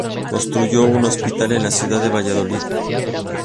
Construyó un hospital en la ciudad de Valladolid.